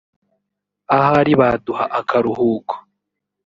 ahari baduha akaruhuko